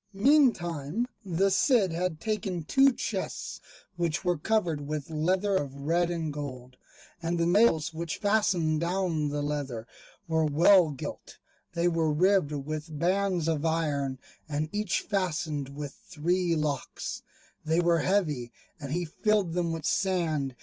Meantime the Cid had taken two chests, which were covered with leather of red and gold, and the nails which fastened down the leather were well gilt; they were ribbed with bands of iron, and each fastened with three locks; they were heavy, and he filled them with sand.